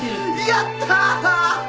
やった。